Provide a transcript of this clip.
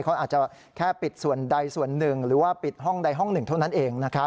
เขาอาจจะแค่ปิดส่วนใดส่วนหนึ่งหรือว่าปิดห้องใดห้องหนึ่งเท่านั้นเอง